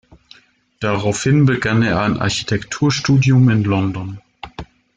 Daraufhin begann er ein Architekturstudium in London.